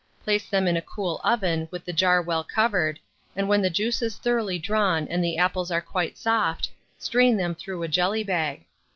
Place them in a cool oven, with the jar well covered, and when the juice is thoroughly drawn and the apples are quite soft, strain them through a jelly bag.